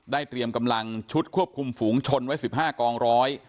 เตรียมกำลังชุดควบคุมฝูงชนไว้๑๕กองร้อย